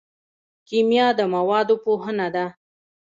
کیمیا د موادو پوهنه ده